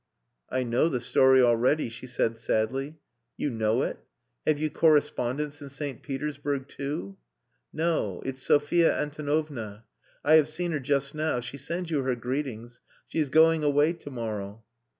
"I know the story already," she said sadly. "You know it! Have you correspondents in St. Petersburg too?" "No. It's Sophia Antonovna. I have seen her just now. She sends you her greetings. She is going away to morrow."